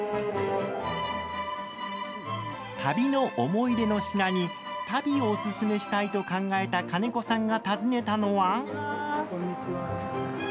旅の思い出の品に足袋をおすすめしたいと考えた金子さんが訪ねたのは。